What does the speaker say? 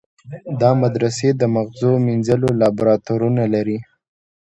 دا مدرسې د مغزو مینځلو لابراتوارونه لري.